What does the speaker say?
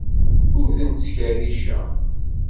Ur tent-ttkerriceɣ.